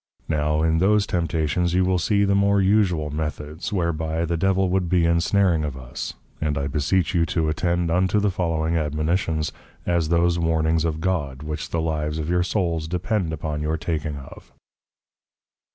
Now, in those Temptations, you will see the more Usual Methods, whereby the Devil would be Ensnaring of us; and I beseech you to attend unto the following Admonitions, as those Warnings of God, which the Lives of your souls depend upon your taking of.